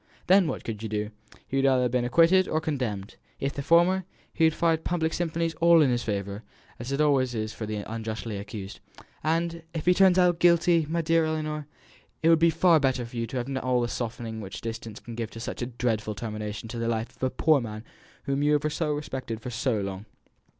Then what could you do? He would either have been acquitted or condemned; if the former, he would find public sympathy all in his favour; it always is for the unjustly accused. And if he turns out to be guilty, my dear Ellinor, it will be far better for you to have all the softening which distance can give to such a dreadful termination to the life of a poor man whom you have respected so long."